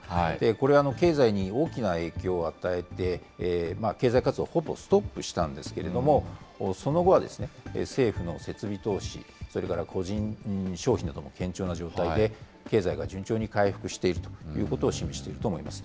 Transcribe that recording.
これは、経済に大きな影響を与えて、経済活動をほぼストップしたんですけれども、その後は政府の設備投資、それから個人消費なども堅調な状態で、経済が順調に回復しているということを示していると思います。